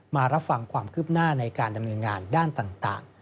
มารับฟังความคืบหน้าในการดำเนินงานด้านต่าง